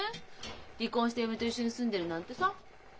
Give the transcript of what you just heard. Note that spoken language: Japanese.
離婚した嫁と一緒に住んでるなんてさ。